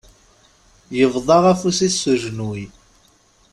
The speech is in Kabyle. Yebḍa afus-is s ujenwi.